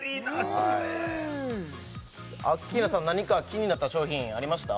これアッキーナさん何か気になった商品ありました？